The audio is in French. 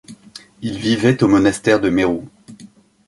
Il vivait au monastère de Méru.